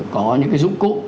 có những cái dụng cụ